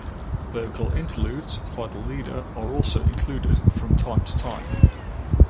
Vocal interludes by the leader are also included from time to time.